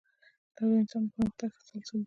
دا د انسان د پرمختګ تسلسل دی.